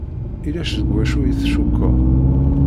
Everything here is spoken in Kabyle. Ulac deg wacu i d-tcukkeḍ?